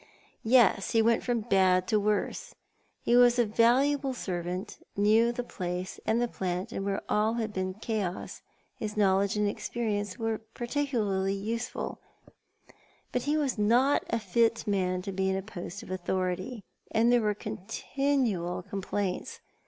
"Yes. He went from bad to worse. He was a valuable servant, knew the place, and the plant, and where all had been chaos his knowledge and experience were particularly useful, but he was not a fit man to be in a post of authority, and there were continual complaints.